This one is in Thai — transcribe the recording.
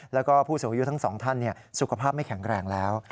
แล้วก็ผู้สูงอายุทั้งสองท่านสุขภาพไม่แข็งแรงแล้ว